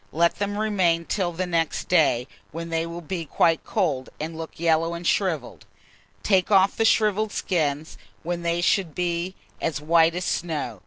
Let them remain till the next day, when they will be quite cold, and look yellow and shrivelled; take off the shrivelled skins, when they should be as white as snow.